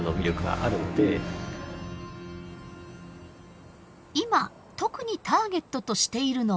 今特にターゲットとしているのは。